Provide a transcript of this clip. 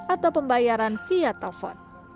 atau pembayaran via telpon